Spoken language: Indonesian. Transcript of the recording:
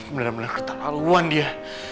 bener bener keterlaluan dia